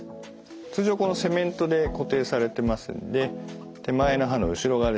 通常このセメントで固定されてますので手前の歯の後ろ側ですね。